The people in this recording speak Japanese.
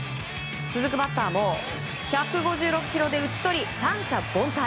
続くバッターも１５６キロで打ち取り三者凡退。